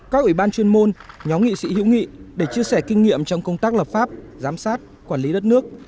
các ủy ban chuyên môn nhóm nghị sĩ hữu nghị để chia sẻ kinh nghiệm trong công tác lập pháp giám sát quản lý đất nước